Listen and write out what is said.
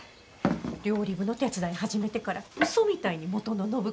料理部の手伝い始めてからウソみたいに元の暢子に。